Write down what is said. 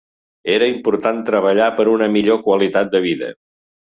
Era important treballar per una millor qualitat de vida.